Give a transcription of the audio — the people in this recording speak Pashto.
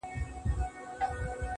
ته يې بد ايسې.